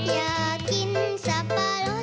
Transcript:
อยากกินสพรถ